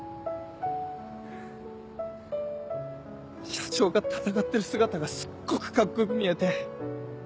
社長が戦ってる姿がすっごくカッコよく見えて。